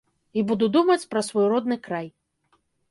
І буду думаць пра свой родны край.